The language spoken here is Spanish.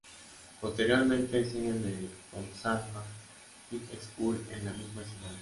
Posteriormente enseña en el Gonzaga High School, en la misma ciudad.